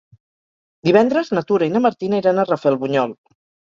Divendres na Tura i na Martina iran a Rafelbunyol.